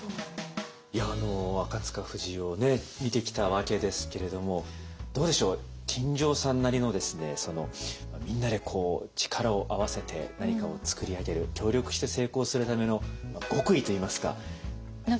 いやあの赤不二夫を見てきたわけですけれどもどうでしょう金城さんなりのみんなでこう力を合わせて何かを作り上げる協力して成功するための極意といいますか。